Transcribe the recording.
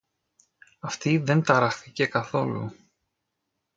Αυτή δεν ταράχθηκε καθόλου